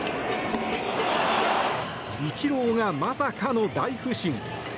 イチローがまさかの大不振。